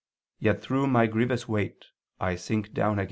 . yet through my grievous weight I sink down again."